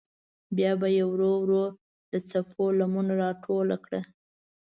بیا به یې ورو ورو د څپو لمن راټوله کړه.